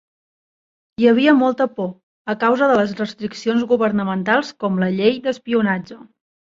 Hi havia molta por, a causa de les restriccions governamentals com la Llei d'Espionatge.